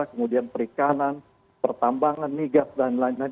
kemudian perikanan pertambangan migas dan lain lain